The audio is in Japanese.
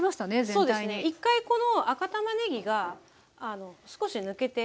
そうですね１回この赤たまねぎが少し抜けていくんです。